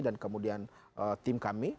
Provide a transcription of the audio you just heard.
dan kemudian tim kami